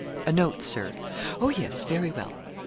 'A note, Sir.' 'Oh, yes; very well.'